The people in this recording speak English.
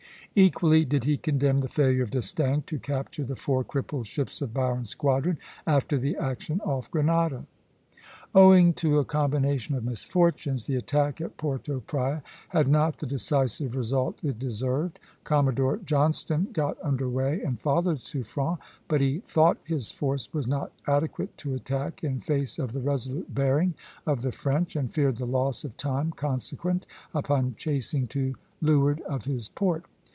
Equally did he condemn the failure of D'Estaing to capture the four crippled ships of Byron's squadron, after the action off Grenada. Owing to a combination of misfortunes, the attack at Porto Praya had not the decisive result it deserved. Commodore Johnstone got under way and followed Suffren; but he thought his force was not adequate to attack in face of the resolute bearing of the French, and feared the loss of time consequent upon chasing to leeward of his port.